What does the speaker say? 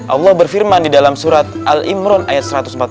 allah berfirman di dalam surat al imron ayat satu ratus empat puluh